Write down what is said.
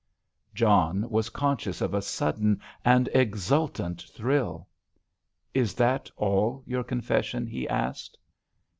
John was conscious of a sudden and exultant thrill. "Is that all your confession?" he asked.